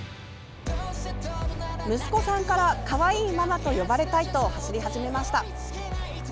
息子さんから、かわいいママと呼ばれたいと走り始めました。